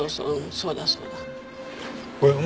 そうだそうだ。